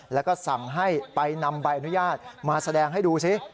แล้วก็สั่งให้ไปนำใบอนุญาตมาแสดงให้ดูสิ